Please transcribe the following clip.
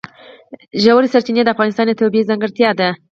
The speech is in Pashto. ژورې سرچینې د افغانستان یوه طبیعي ځانګړتیا ده.